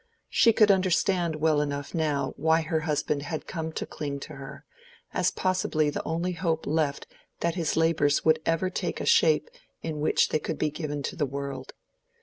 She could understand well enough now why her husband had come to cling to her, as possibly the only hope left that his labors would ever take a shape in which they could be given to the world.